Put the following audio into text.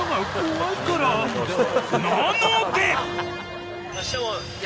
［なので！］